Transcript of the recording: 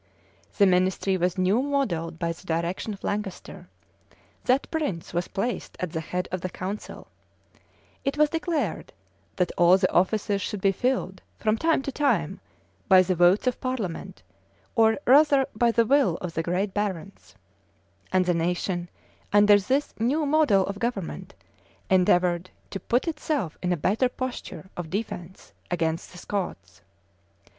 The ministry was new modelled by the direction of Lancaster:[*] that prince was placed at the head of the council: it was declared, that all the offices should be filled, from time to time, by the votes of parliament, or rather by the will of the great barons:[] and the nation, under this new model of government, endeavored to put itself in a better posture of defence against the Scots.